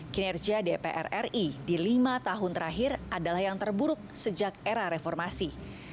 kinerja dpr ri di lima tahun terakhir adalah yang terburuk sejak era reformasi